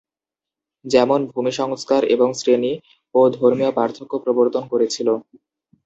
যেমন ভূমি সংস্কার এবং শ্রেণি ও ধর্মীয় পার্থক্য প্রবর্তন করেছিল।